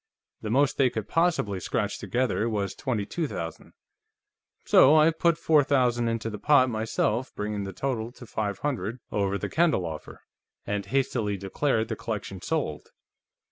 The most they could possibly scratch together was twenty two thousand. So I put four thousand into the pot, myself, bringing the total to five hundred over the Kendall offer, and hastily declared the collection sold.